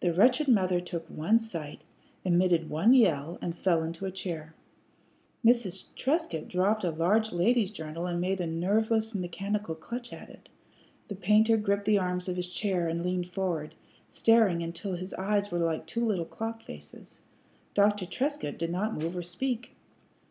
The wretched mother took one sight, emitted one yell, and fell into a chair. Mrs. Trescott dropped a large lady's journal and made a nerveless mechanical clutch at it. The painter gripped the arms of his chair and leaned forward, staring until his eyes were like two little clock faces. Dr. Trescott did not move or speak.